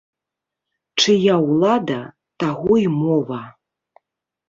Чыя ўлада, таго і мова.